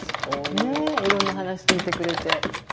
いろんな話聞いてくれて。